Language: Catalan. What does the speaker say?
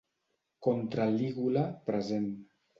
Contra-lígula present.